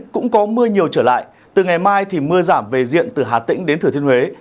cũng có mưa nhiều trở lại từ ngày mai thì mưa giảm về diện từ hà tĩnh đến thừa thiên huế